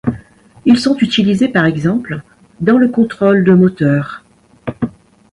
Ils sont utilisés par exemple dans le contrôle de moteur.